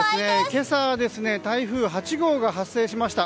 今朝、台風８号が発生しました。